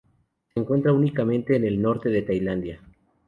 Se encuentra únicamente en el norte de Tailandia.